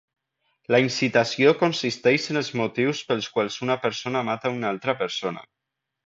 La incitació consisteix en els motius pels quals una persona mata una altra persona.